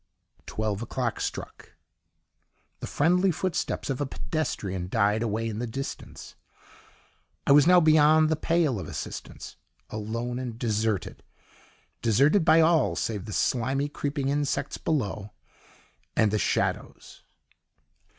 Twelve o'clock struck, the friendly footsteps of a pedestrian died away in the distance; I was now beyond the pale of assistance, alone and deserted deserted by all save the slimy, creeping insects below and the shadows.